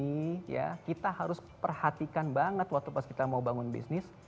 ini ya kita harus perhatikan banget waktu pas kita mau bangun bisnis